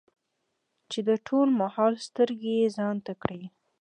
چې د ټول ماحول سترګې يې ځان ته کړې ـ